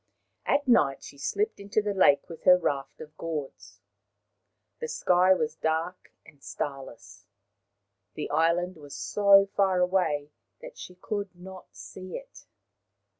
At night she slipped into the lake with her raft of gourds. The sky was dark and starless ; the island was so far away that she could not see it.